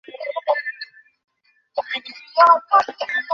তার কর্মকাণ্ড তছনছ করে দিতাম।